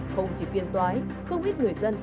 không chỉ phiên tói không ít người dân